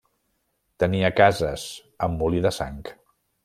Tenia cases, amb molí de sang.